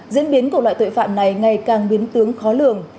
diễn biến của loại tội phạm này ngày càng biến tướng khó lường